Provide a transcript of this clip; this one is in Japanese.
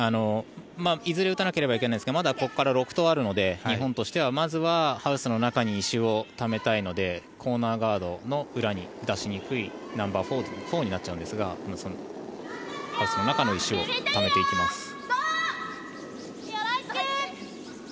いずれ打たなければいけないんですがまだここから６投あるので日本としてはまずハウスの中に石をためたいのでコーナーガードの裏に出しにくいナンバーフォーになりますがハウスの中の石をためていきます。